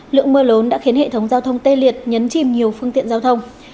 lượng mưa lớn đã khiến hệ thống giao thông tê liệt nhấn chìm nhiều phương tiện giao thông